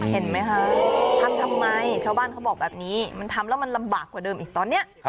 เห็นไหมคะทำทำไมชาวบ้านเขาบอกแบบนี้มันทำแล้วมันลำบากกว่าเดิมอีกตอนนี้